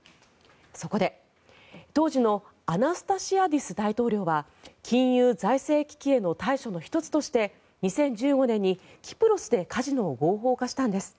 そこで、当時のアナスタシアディス大統領は金融・財政危機への対処の１つとして２０１５年にキプロスでカジノを合法化したんです。